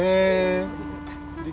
yang bener ya mis